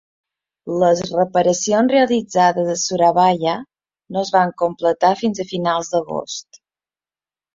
Les reparacions realitzades a Surabaya, no es van completar fins a finals d'agost.